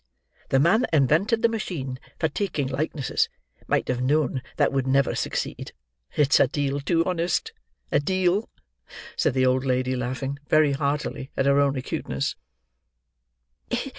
The man that invented the machine for taking likenesses might have known that would never succeed; it's a deal too honest. A deal," said the old lady, laughing very heartily at her own acuteness.